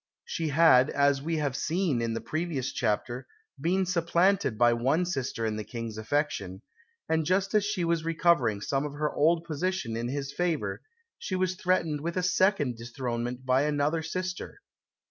She had, as we have seen in the previous chapter, been supplanted by one sister in the King's affection; and just as she was recovering some of her old position in his favour, she was threatened with a second dethronement by another sister.